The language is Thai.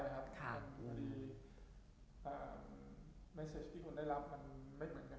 เมสเซจที่คนได้รับมันไม่เหมือนกันทุกคน